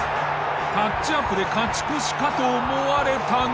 タッチアップで勝ち越しかと思われたが。